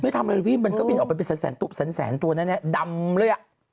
ไม่ทำอะไรพี่มันก็บินออกไปไปแสนตัวนั้นแหละดำเลยอ่ะ